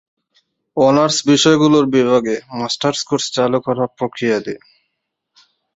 Honours বিষয়গুলোর বিভাগে masters course চালু করা প্রক্রিয়াধীন।